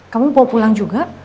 kamu mau pulang juga